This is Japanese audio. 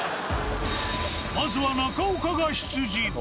まずは中岡が出陣。